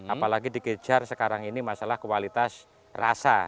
apalagi dikejar sekarang ini masalah kualitas rasa